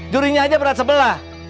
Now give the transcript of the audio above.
jurinya aja berat sebelah